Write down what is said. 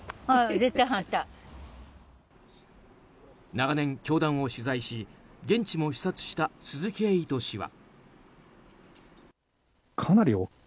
長年、教団を取材し現地も視察した鈴木エイト氏は。